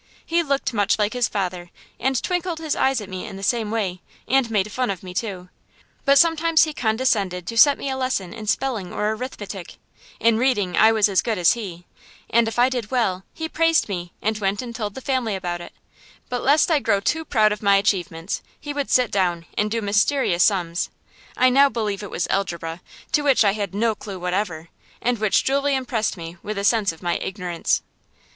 He looked much like his father, and twinkled his eyes at me in the same way and made fun of me, too. But sometimes he condescended to set me a lesson in spelling or arithmetic, in reading I was as good as he, and if I did well, he praised me and went and told the family about it; but lest I grow too proud of my achievements, he would sit down and do mysterious sums I now believe it was algebra to which I had no clue whatever, and which duly impressed me with a sense of my ignorance.